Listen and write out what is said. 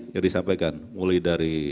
yang disampaikan mulai dari